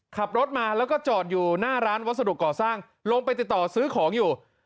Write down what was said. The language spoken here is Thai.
ขับรถมาแล้วก็จอดอยู่หน้าร้านวัสดุก่อสร้างลงไปติดต่อซื้อของอยู่